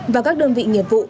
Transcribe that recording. và các đơn vị nghiệp vụ